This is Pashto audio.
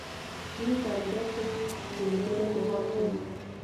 ځینې تعمیرات د جوړېدلو په حال کې وو